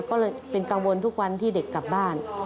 ก็เลยเป็นกังวลทุกวันที่เด็กกลับบ้าน